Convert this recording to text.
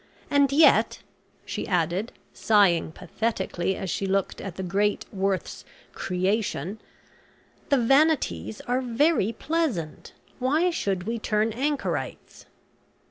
And yet," she added, sighing pathetically as she looked at the great Worth's `creation,' "the vanities are very pleasant. Why should we turn anchorites?"